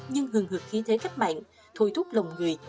nhưng hường hợp khí thế cách mạng thôi thúc lòng người